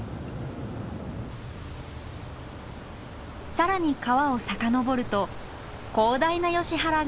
更に川を遡ると広大なヨシ原が現れました。